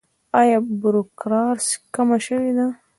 آیا بروکراسي کمه شوې ده؟